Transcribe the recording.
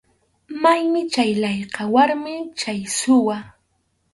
Maymi chay layqa, maymi chay suwa.